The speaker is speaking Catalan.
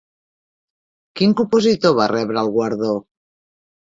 Quin compositor va rebre el guardó?